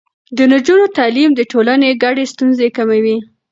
د نجونو تعليم د ټولنې ګډې ستونزې کموي.